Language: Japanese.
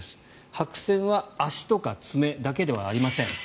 白せんは足とか爪だけではありません。